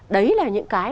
đấy là những cái